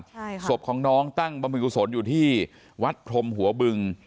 ใช่ค่ะศพของน้องตั้งบำเพ็กกุศลอยู่ที่วัดพรมหัวบึง